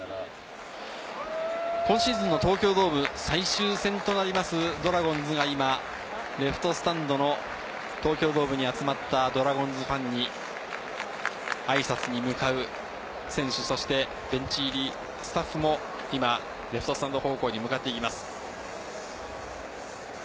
今シーズンの東京ドーム最終戦となるドラゴンズが、レフトスタンドの東京ドームに集まったドラゴンズファンにあいさつに向かう選手、ベンチ入りスタッフもレフトスタンド方向に向かっていきます。